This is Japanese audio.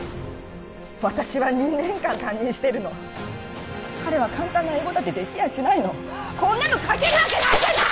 私は２年間担任してるの彼は簡単な英語だってできやしないのこんなの書けるわけないじゃない！